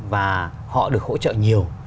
và họ được hỗ trợ nhiều